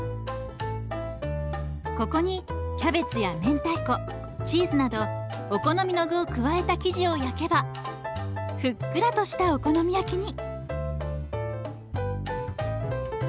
ここにキャベツや明太子チーズなどお好みの具を加えた生地を焼けばふっくらとしたお好み焼きに！